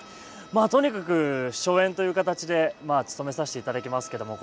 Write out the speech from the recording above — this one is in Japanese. まあとにかく初演という形でつとめさせていただきますけども。